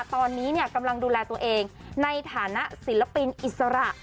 ตอนนี้กำลังดูแลตัวเองในฐานะศิลปินอิสระ